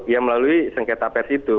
ya melalui sengketa pers itu